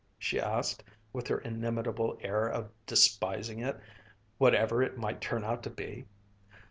she asked, with her inimitable air of despising it, whatever it might turn out to be.